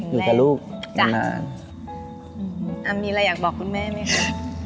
อยู่กับลูกจ้ะนานอ่ามีอะไรอยากบอกคุณแม่ไหมคะ